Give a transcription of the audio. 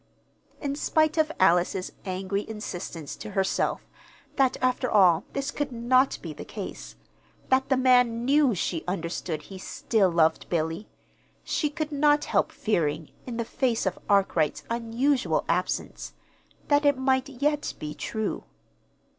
In spite of Alice's angry insistence to herself that, after all, this could not be the case that the man knew she understood he still loved Billy she could not help fearing, in the face of Arkwright's unusual absence, that it might yet be true.